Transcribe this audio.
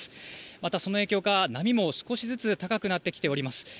またその影響か波も少しずつ高くなってきております。